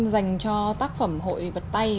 dành cho tác phẩm hội vật tay